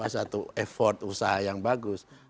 satu effort usaha yang bagus